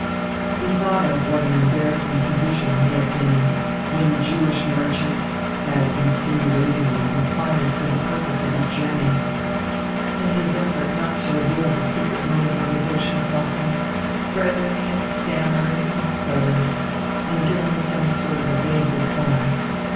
He thought of what an embarrassing position he had been in when the Jewish merchant had insinuatingly inquired for the purpose of his journey. In his effort not to reveal the secret motive of his ocean crossing, Frederick had stammered and stuttered and given some sort of a vague reply.